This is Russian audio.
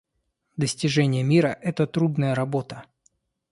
Достижение мира — это трудная работа.